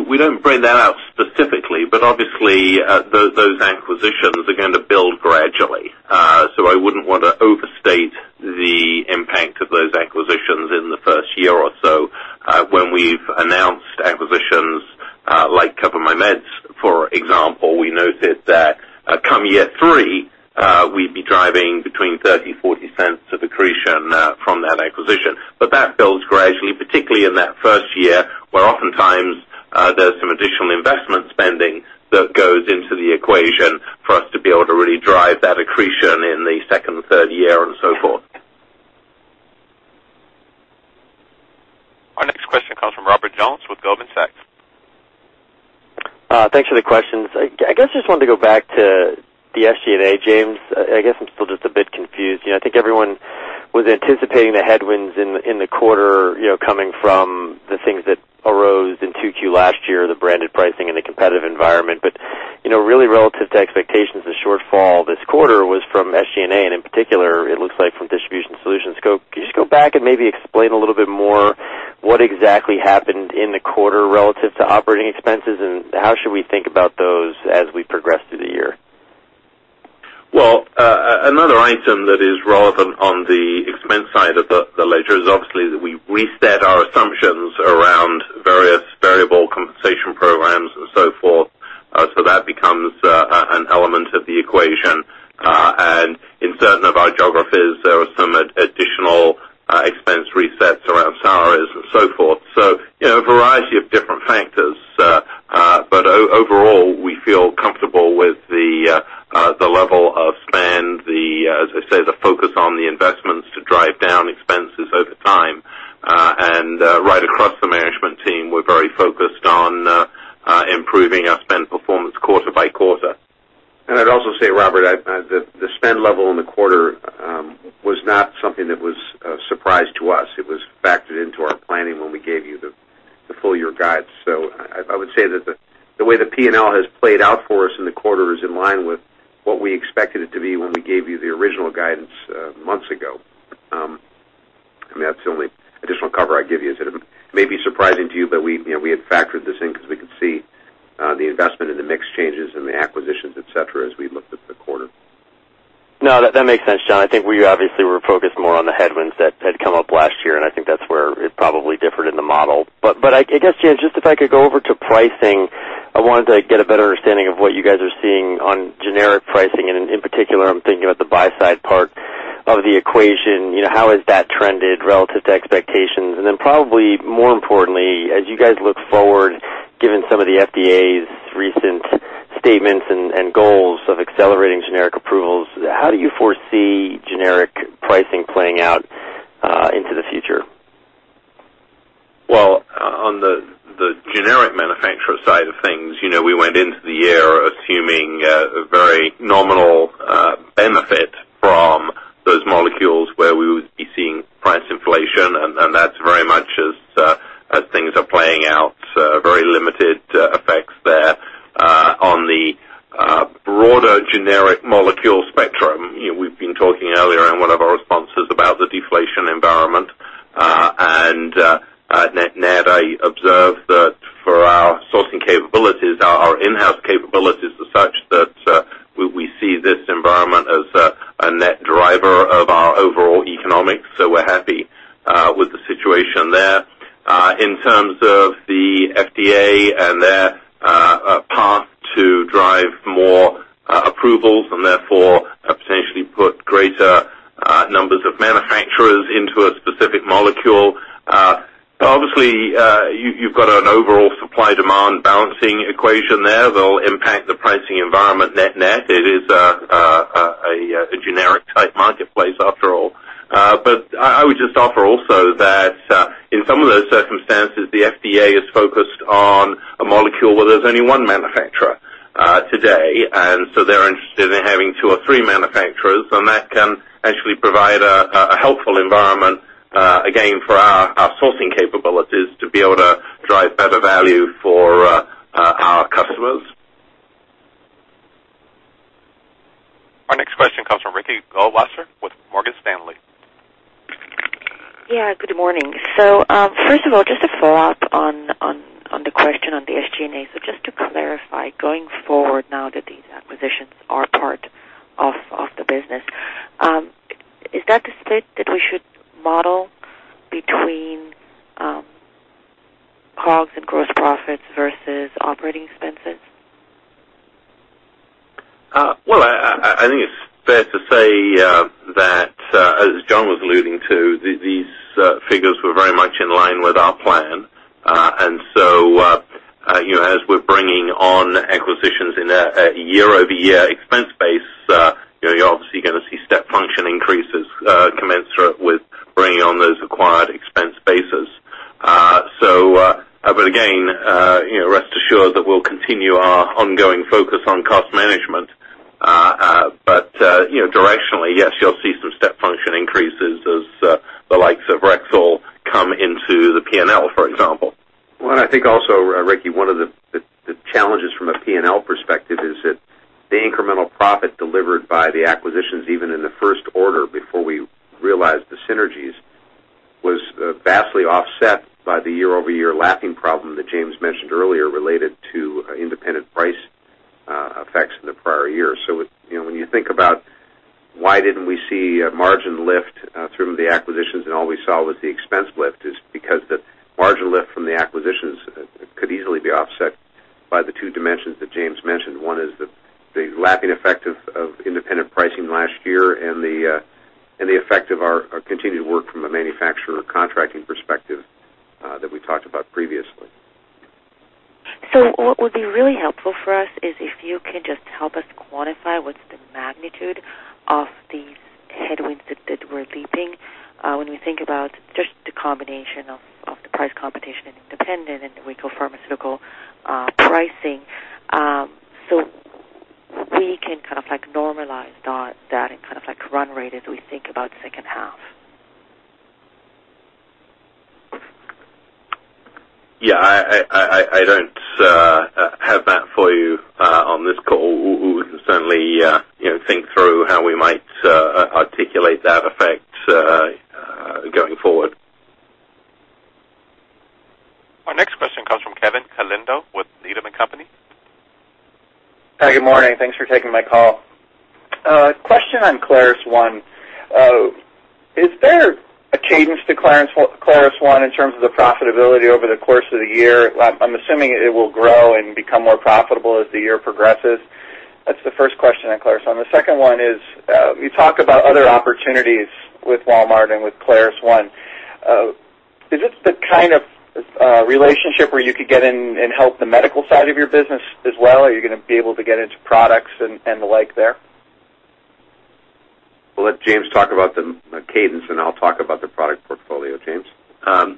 We don't break that out specifically, but obviously, those acquisitions are going to build gradually. I wouldn't want to overstate the impact of those acquisitions in the first year or so. When we've announced acquisitions, like CoverMyMeds, for example, we noted that come year three, we'd be driving between $0.30-$0.40 of accretion from that acquisition. That builds gradually, particularly in that first year, where oftentimes, there's some additional investment spending that goes into the equation for us to be able to really drive that accretion in the second, third year, and so forth. Our next question comes from Robert Jones with Goldman Sachs. Thanks for the questions. I just wanted to go back to the SG&A, James. I guess I'm still just a bit confused. I think everyone was anticipating the headwinds in the quarter coming from the things that arose in 2Q last year, the branded pricing and the competitive environment. Really relative to expectations, the shortfall this quarter was from SG&A, and in particular, it looks like from Distribution Solutions scope. Can you just go back and maybe explain a little bit more what exactly happened in the quarter relative to operating expenses, and how should we think about those as we progress through the year? Another item that is relevant on the expense side of the ledger is obviously that we reset our assumptions around various variable compensation programs and so forth. That becomes an element of the equation. In certain of our geographies, there are some additional expense resets around salaries and so forth. A variety of different factors. Overall, we feel comfortable with the level of spend, as I say, the focus on the investments to drive down expenses over time. Right across the management team, we're very focused on improving our spend performance quarter by quarter. I'd also say, Robert, the spend level in the quarter was not something that was a surprise to us. It was factored into our planning when we gave you the full-year guide. I would say that the way the P&L has played out for us in the quarter is in line with what we expected it to be when we gave you the original guidance months ago. That's the only additional cover I'd give you. It may be surprising to you, but we had factored this in because we could see the investment in the mix changes and the acquisitions, et cetera, as we looked at the quarter. No, that makes sense, John. I think we obviously were focused more on the headwinds that had come up last year, I think that's where it probably differed in the model. I guess, James, just if I could go over to pricing. I wanted to get a better understanding of what you guys are seeing on generic pricing. In particular, I'm thinking about the buy-side part of the equation. How has that trended relative to expectations? Then probably more importantly, as you guys look forward, given some of the FDA's recent statements and goals of accelerating generic approvals, how do you foresee generic pricing playing out into the future? Well, on the generic manufacturer side of things, we went into the year assuming a very nominal benefit from those molecules where we would be seeing price inflation, that's very much as things are playing out, very limited effects there. On the broader generic molecule spectrum, we've been talking earlier in one of our responses about the deflation environment. Net-net, I observe that for our sourcing capabilities, our in-house capabilities are such that we see this environment as a net driver of our overall economics. We're happy with the situation there. In terms of the FDA and their path to drive more approvals and therefore potentially put greater numbers of manufacturers into a specific molecule. You've got an overall supply-demand balancing equation there that'll impact the pricing environment net-net. It is a generic-type marketplace after all. I would just offer also that in some of those circumstances, the FDA is focused on a molecule where there's only one manufacturer today, they're interested in having two or three manufacturers, that can actually provide a helpful environment, again, for our sourcing capabilities to be able to drive better value for our customers. Goldwasser with Morgan Stanley. Yeah, good morning. First of all, just a follow-up on the question on the SG&A. Just to clarify, going forward now that these acquisitions are part of the business, is that the split that we should model between COGS and gross profits versus operating expenses? Well, I think it's fair to say that, as John was alluding to, these figures were very much in line with our plan. As we're bringing on acquisitions in a year-over-year expense base, you're obviously going to see step function increases commensurate with bringing on those acquired expense bases. Again, rest assured that we'll continue our ongoing focus on cost management. Directionally, yes, you'll see some step function increases as the likes of Rexall come into the P&L, for example. Well, I think also, Ricky, one of the challenges from a P&L perspective is that the incremental profit delivered by the acquisitions, even in the first order before we realized the synergies, was vastly offset by the year-over-year lapping problem that James mentioned earlier, related to independent price effects in the prior year. When you think about why didn't we see a margin lift through the acquisitions and all we saw was the expense lift is because the margin lift from the acquisitions could easily be offset by the two dimensions that James mentioned. One is the lapping effect of independent pricing last year and the effect of our continued work from a manufacturer contracting perspective, that we talked about previously. What would be really helpful for us is if you can just help us quantify what's the magnitude of these headwinds that we're leaping, when we think about just the combination of the price competition in independent and retail pharmaceutical pricing, so we can normalize that and run rate as we think about second half. Yeah. I don't have that for you on this call. We can certainly think through how we might articulate that effect going forward. Our next question comes from Kevin Caliendo with Needham & Company. Good morning. Thanks for taking my call. Question on ClarusONE. Is there a cadence to ClarusONE in terms of the profitability over the course of the year? I'm assuming it will grow and become more profitable as the year progresses. That's the first question on ClarusONE. The second one is, you talk about other opportunities with Walmart and with ClarusONE. Is this the kind of relationship where you could get in and help the medical side of your business as well? Are you going to be able to get into products and the like there? We'll let James talk about the cadence, and I'll talk about the product portfolio. James?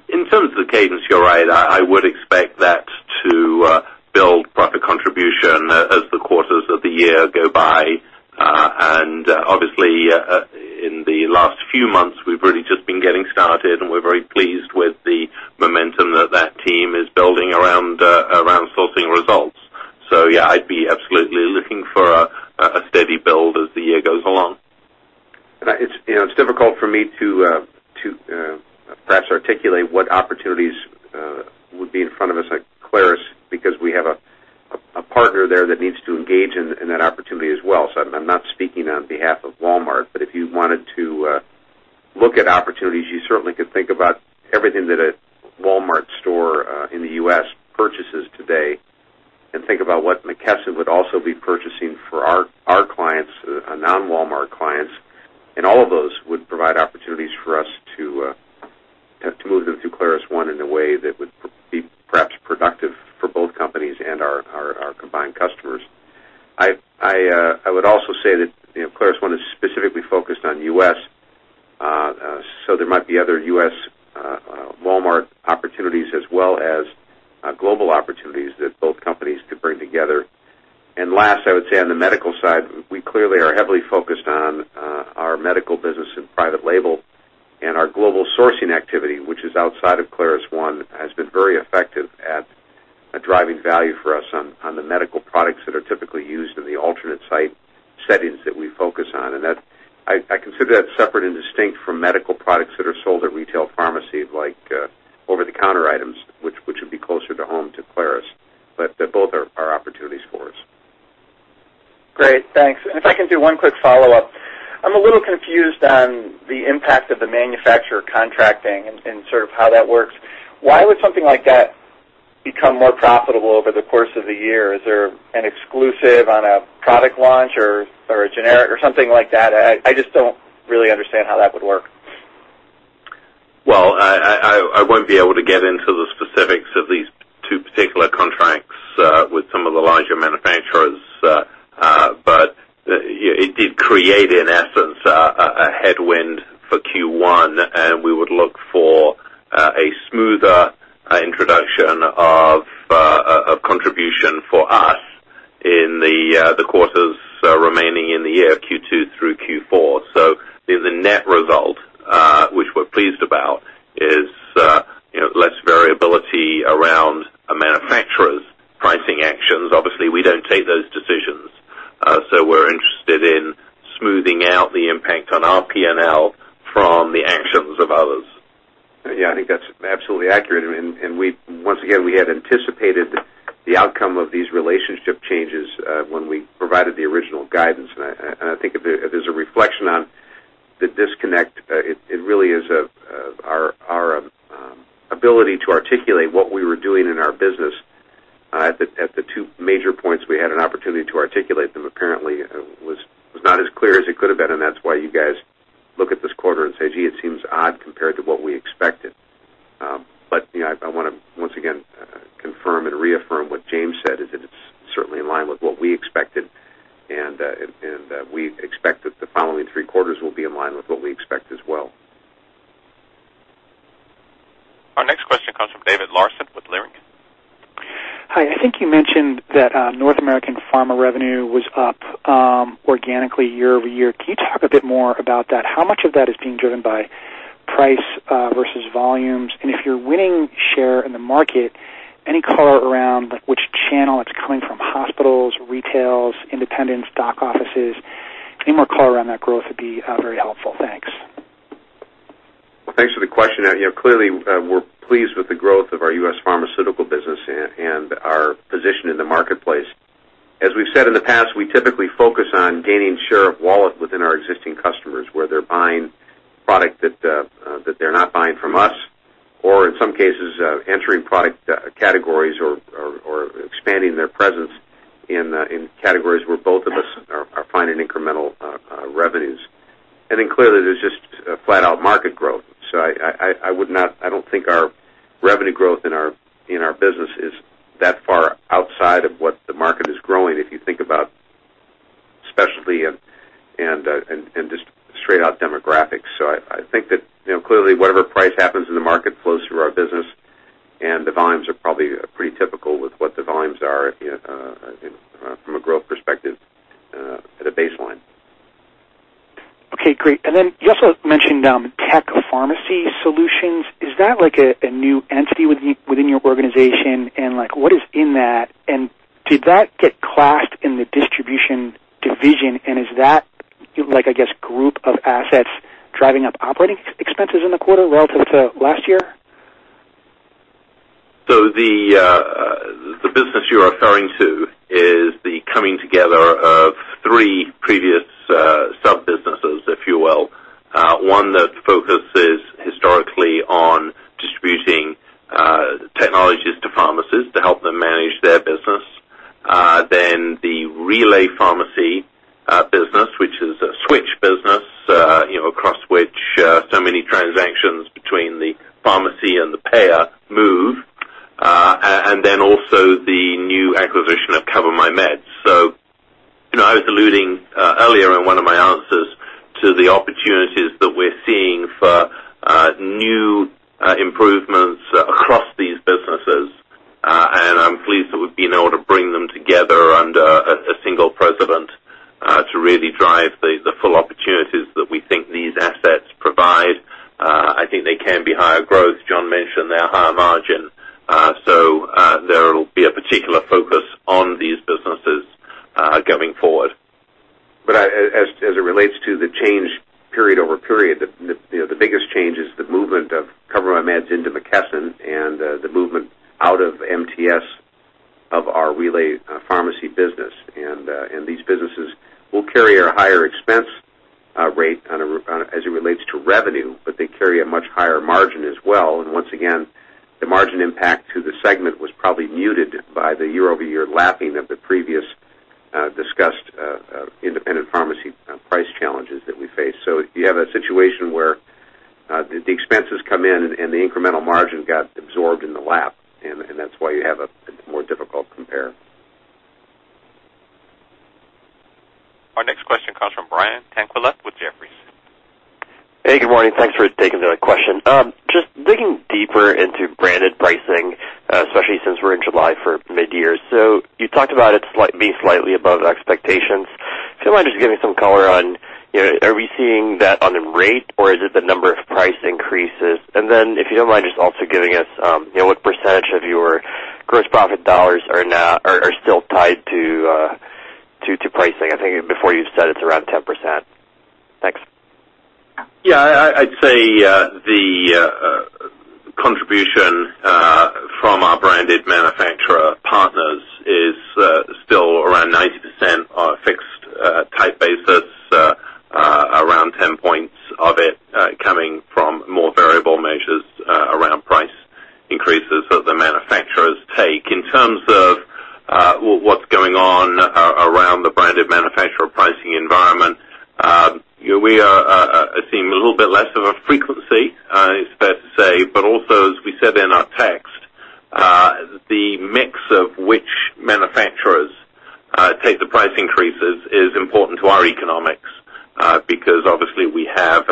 In terms of the cadence, you're right. I would expect that to build proper contribution as the quarters of the year go by. Obviously, in the last few months, we've really just been getting started, and we're very pleased with the momentum that that team is building around sourcing results. Yeah, I'd be absolutely looking for a steady build as the year goes along. It's difficult for me to perhaps articulate what opportunities would be in front of us at Clarus because we have a partner there that needs to engage in that opportunity as well. I'm not speaking on behalf of Walmart, but if you wanted to look at opportunities, you certainly could think about everything that a Walmart store in the U.S. purchases today, and think about what McKesson would also be purchasing for our clients, our non-Walmart clients. All of those would provide opportunities for us to move them to ClarusONE in a way that would be perhaps productive for both companies and our combined customers. I would also say that ClarusONE is specifically focused on U.S., so there might be other U.S. Walmart opportunities as well as global opportunities that both companies could bring together. Last, I would say on the medical side, we clearly are heavily focused on our medical business and private label, and our global sourcing activity, which is outside of ClarusONE, has been very effective at driving value for us on the medical products that are typically used in the alternate site settings that we focus on. I consider that separate and distinct from medical products that are sold at retail pharmacy like over-the-counter items, which would be closer to home to Clarus. Both are opportunities for us. Great, thanks. If I can do one quick follow-up. I'm a little confused on the impact of the manufacturer contracting and sort of how that works. Why would something like that become more profitable over the course of the year? Is there an exclusive on a product launch or a generic or something like that? I just don't really understand how that would work. Well, I won't be able to get into the specifics of these two particular contracts with some of the larger manufacturers. It did create, in essence, a headwind for Q1, and we would look for a smoother introduction of contribution for us in the quarters remaining in the year, Q2 through Q4. The net result, which we're pleased about. We don't take those decisions. We're interested in smoothing out the impact on our P&L from the actions of others. Yeah, I think that's absolutely accurate. Once again, we had anticipated the outcome of these relationship changes when we provided the original guidance. I think if there's a reflection on the disconnect, it really is our ability to articulate what we were doing in our business. At the two major points, we had an opportunity to articulate them. Apparently, it was not as clear as it could have been, and that's why you guys look at this quarter and say, "Gee, it seems odd compared to what we expected." I want to once again confirm and reaffirm what James said, is that it's certainly in line with what we expected, and we expect that the following three quarters will be in line with what we expect as well. Our next question comes from David Larsen with Leerink. Hi. I think you mentioned that North American pharma revenue was up organically year-over-year. Can you talk a bit more about that? How much of that is being driven by price versus volumes? If you're winning share in the market, any color around which channel it's coming from, hospitals, retails, independents, doc offices? Any more color around that growth would be very helpful. Thanks. Well, thanks for the question. Clearly, we're pleased with the growth of our U.S. pharmaceutical business and our position in the marketplace. As we've said in the past, we typically focus on gaining share of wallet within our existing customers, where they're buying product that they're not buying from us, or in some cases, entering product categories or expanding their presence in categories where both of us are finding incremental revenues. Clearly, there's just flat-out market growth. I don't think our revenue growth in our business is that far outside of what the market is growing, if you think about specialty and just straight-out demographics. I think that clearly, whatever price happens in the market flows through our business, and the volumes are probably pretty typical with what the volumes are from a growth perspective at a baseline. Okay, great. You also mentioned Tech Pharmacy Solutions. Is that a new entity within your organization, and what is in that? Did that get classed in the Distribution Solutions division, and is that, I guess, group of assets driving up operating expenses in the quarter relative to last year? The business you're referring to is the coming together of three previous sub-businesses, if you will. One that focuses historically on distributing technologies to pharmacies to help them manage their business. The RelayHealth Pharmacy business, which is a switch business, across which so many transactions between the pharmacy and the payer move. Also the new acquisition of CoverMyMeds. I was alluding earlier in one of my answers to the opportunities that we're seeing for new improvements across these businesses. I'm pleased that we've been able to bring them together under a single president to really drive the full opportunities that we think these assets provide. I think they can be higher growth. John mentioned they are higher margin. There will be a particular focus on these businesses going forward. As it relates to the change period-over-period, the biggest change is the movement of CoverMyMeds into McKesson and the movement out of MTS of our RelayHealth Pharmacy business. These businesses will carry a higher talked about it being slightly above expectations. If you wouldn't mind just giving some color on, are we seeing that on the rate, or is it the number of price increases? And then if you don't mind just also giving us what percentage of your gross profit dollars are still tied to pricing. I think before you said it's around 10%. Thanks. Yeah. I'd say the contribution from our branded manufacturer partners is still around 90% on a fixed-type basis, around 10 points of it coming from more variable measures around price increases that the manufacturers take. In terms of what's going on around the branded manufacturer pricing environment, we are seeing a little bit less of a frequency, it's fair to say. Also, as we said in our text, the mix of which manufacturers take the price increases is important to our economics because obviously, we have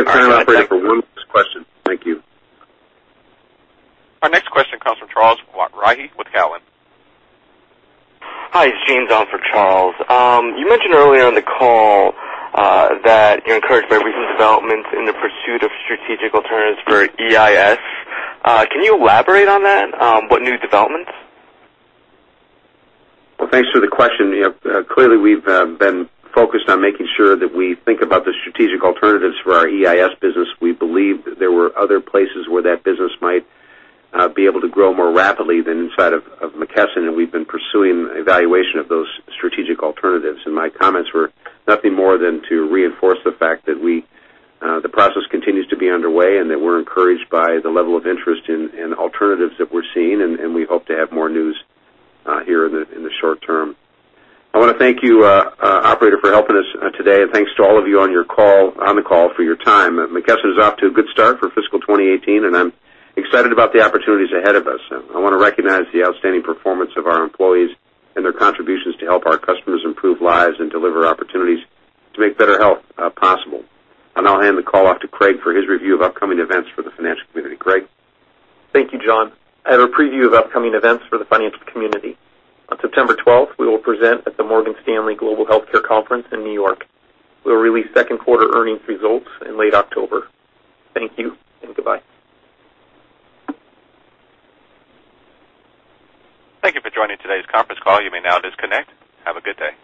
a blend of contract structures. Some are entirely fixed, and others offer us a portion of the economics that we can earn as a result of price increase activity. I think we have time, operator, for one last question. Thank you. Our next question comes from Charles Rhyee with Cowen. Hi, it's James on for Charles. You mentioned earlier on the call that you're encouraged by recent developments in the pursuit of strategic alternatives for EIS. Can you elaborate on that? What new developments? Well, thanks for the question. Clearly, we've been focused on making sure that we think about the strategic alternatives for our EIS business. We believe that there were other places where that business might be able to grow more rapidly than inside of McKesson, and we've been pursuing evaluation of those strategic alternatives. My comments were nothing more than to reinforce the fact that the process continues to be underway and that we're encouraged by the level of interest in alternatives that we're seeing, and we hope to have more news here in the short term. I want to thank you, operator, for helping us today, and thanks to all of you on the call for your time. McKesson is off to a good start for fiscal 2018, and I'm excited about the opportunities ahead of us. I want to recognize the outstanding performance of our employees and their contributions to help our customers improve lives and deliver opportunities to make better health possible. I'll now hand the call off to Craig for his review of upcoming events for the financial community. Craig? Thank you, John. I have a preview of upcoming events for the financial community. On September 12th, we will present at the Morgan Stanley Global Healthcare Conference in New York. We will release second quarter earnings results in late October. Thank you and goodbye. Thank you for joining today's conference call. You may now disconnect. Have a good day.